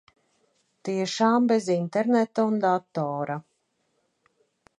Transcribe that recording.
Tiešām bez interneta un datora.